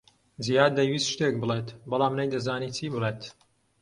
جیھاد دەیویست شتێک بڵێت، بەڵام نەیدەزانی چی بڵێت.